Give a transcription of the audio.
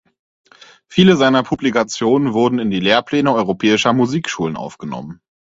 Viele seiner Publikationen wurden in die Lehrpläne europäischer Musikschulen aufgenommen.